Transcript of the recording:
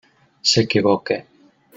S'equivoca.